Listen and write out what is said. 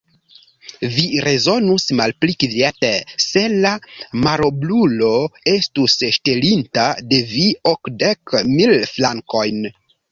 Vi rezonus malpli kviete, se la malnoblulo estus ŝtelinta de vi okdek mil frankojn!